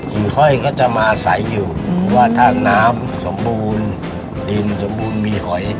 หิ่งห้อยก็จะมาใสอยู่เพราะว่าถ้าน้ำสมบูรณ์ดินสมบูรณ์มีหอย